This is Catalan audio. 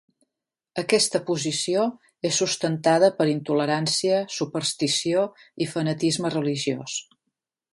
Aquesta posició és sustentada per intolerància, superstició i fanatisme religiós.